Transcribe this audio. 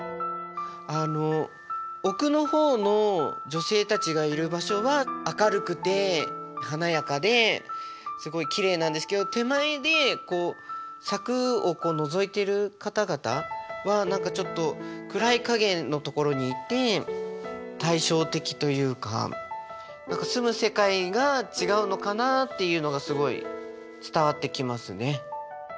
あの奥の方の女性たちがいる場所は明るくて華やかですごいきれいなんですけど手前で柵をのぞいてる方々は何かちょっと暗い影のところにいて対照的というか何か住む世界が違うのかなっていうのがすごい伝わってきますね。